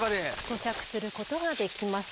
咀嚼することができます。